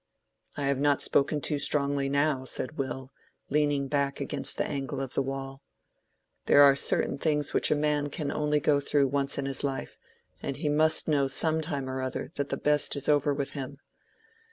"I have not spoken too strongly now," said Will, leaning back against the angle of the wall. "There are certain things which a man can only go through once in his life; and he must know some time or other that the best is over with him.